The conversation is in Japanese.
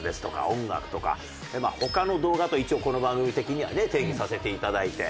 音楽とか「ほかの動画」と一応この番組的にはね定義させて頂いて。